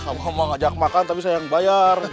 kamu mau ngajak makan tapi saya yang bayar